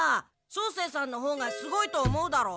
照星さんのほうがすごいと思うだろ？